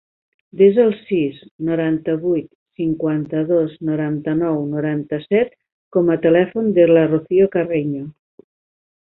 Desa el sis, noranta-vuit, cinquanta-dos, noranta-nou, noranta-set com a telèfon de la Rocío Carreño.